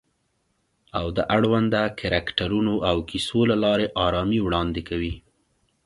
او د اړونده کرکټرونو او کیسو له لارې آرامي وړاندې کوي